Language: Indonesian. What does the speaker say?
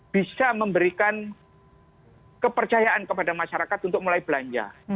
bisa memberikan kepercayaan kepada masyarakat untuk mulai belanja